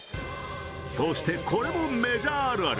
そして、これもメジャーあるある。